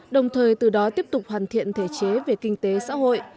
đồng thời từ đó tiếp tục hoàn thiện thể chế về kinh tế xã hội